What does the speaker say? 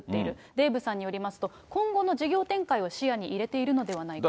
デーブさんによりますと、今後の事業展開を視野に入れているのではないかと。